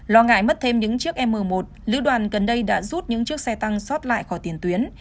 lo ngại mất thêm những chiếc m một lữ đoàn gần đây đã rút những chiếc xe tăng xót lại khỏi tiền tuyến